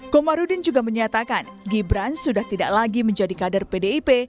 komarudin juga menyatakan gibran sudah tidak lagi menjadi kader pdip